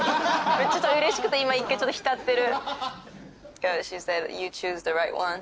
ちょっとうれしくて今一回ちょっと浸ってる。